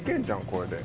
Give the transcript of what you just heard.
これで。